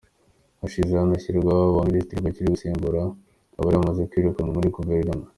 Hahise hanashyirwaho aba Minisitiri babiri bo gusimbura abari bamaze kwirukanwa muri Guverinoma.